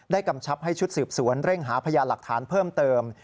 กำชับให้ชุดสืบสวนเร่งหาพยานหลักฐานเพิ่มเติม